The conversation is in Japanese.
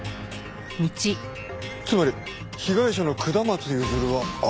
つまり被害者の下松譲は悪徳警官。